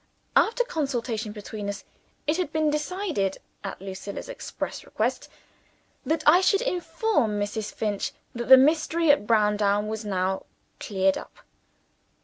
After consultation between us, it had been decided, at Lucilla's express request, that I should inform Mrs. Finch that the mystery at Browndown was now cleared up.